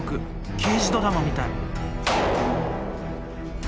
刑事ドラマみたい。